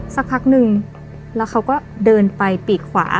สักพักนึงแล้วเขาก็เดินไปปีกขวา